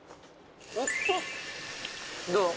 どう？